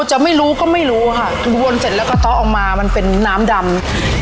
จะไม่รู้ก็ไม่รู้ค่ะวนเสร็จแล้วก็เตาะออกมามันเป็นน้ำดำ